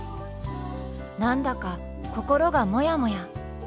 何だか心がモヤモヤ。